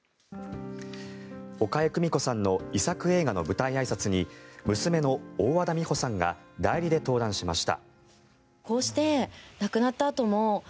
岡江久美子さんの遺作映画の舞台あいさつに娘の大和田美帆さんが代理で登壇しました。